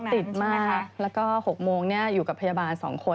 ติดมากแล้วก็๖โมงอยู่กับพยาบาล๒คน